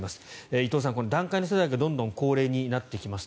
伊藤さん、団塊の世代がどんどん高齢になってきます。